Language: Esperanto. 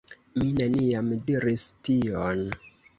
Mi neniam diris tion.